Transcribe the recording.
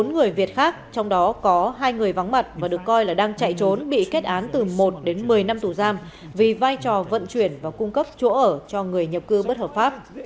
bốn người việt khác trong đó có hai người vắng mặt và được coi là đang chạy trốn bị kết án từ một đến một mươi năm tù giam vì vai trò vận chuyển và cung cấp chỗ ở cho người nhập cư bất hợp pháp